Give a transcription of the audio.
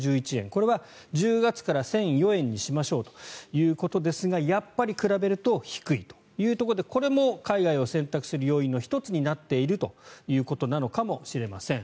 これは１０月から１００４円にしましょうということですがやっぱり比べると低いというところでこれも海外を選択する要因の１つになっているということなのかもしれません。